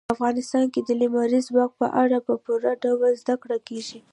په افغانستان کې د لمریز ځواک په اړه په پوره ډول زده کړه کېږي.